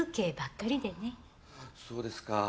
そうですか。